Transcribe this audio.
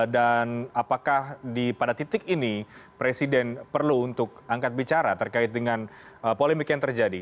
dan apakah pada titik ini presiden perlu untuk angkat bicara terkait dengan polemik yang terjadi